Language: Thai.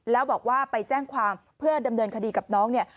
แล้วบอกว่าไปแจ้งความเพื่อดำเนินคดีกับน้องเนี่ย